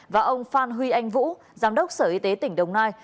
và ông phan huy anh vũ giám đốc sở y tế tỉnh đồng nai